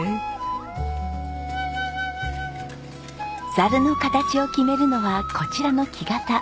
ざるの形を決めるのはこちらの木型。